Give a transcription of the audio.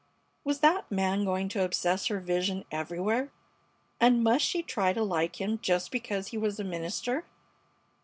Was that man going to obsess her vision everywhere, and must she try to like him just because he was a minister?